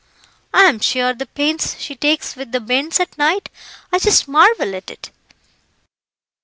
I'm sure the pains she takes with the bairns at night, I just marvel at it.